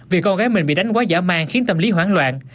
vì con gái mình bị đánh quá giả mang khiến tâm lý hoảng loạn